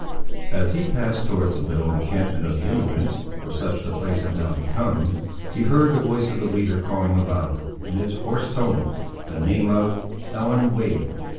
As he passed towards the little encampment of the emigrants, for such the place had now become, he heard the voice of the leader calling aloud, in its hoarse tones, the name of— "Ellen Wade."